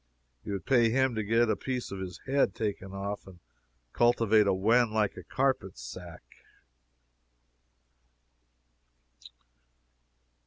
It would pay him to get apiece of his head taken off, and cultivate a wen like a carpet sack.